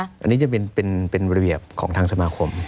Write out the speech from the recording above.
อันนี้จะเป็นระเบียบของทางสมาคม